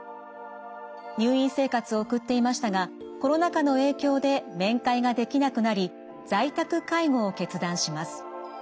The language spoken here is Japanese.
入院生活を送っていましたがコロナ禍の影響で面会ができなくなり在宅介護を決断します。